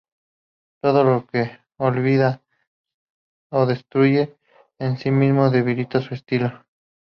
Todo lo que olvida o destruye en sí mismo, debilita su estilo.